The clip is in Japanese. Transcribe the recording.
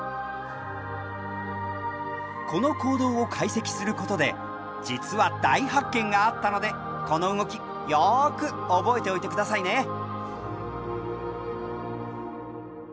この行動を解析することで実は大発見があったのでこの動きよく覚えておいてくださいね！